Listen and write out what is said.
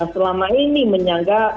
selama ini menyangka